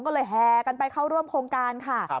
ก็เลยแห่กันไปเข้าร่วมโครงการค่ะ